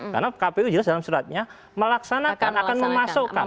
karena kpu jelas dalam suratnya melaksanakan akan memasukkan